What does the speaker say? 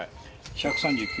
「１３９」。